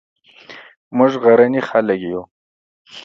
موږ غرني خلک یو